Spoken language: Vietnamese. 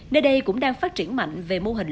nơi đây cũng đang phát triển mạnh về mô hình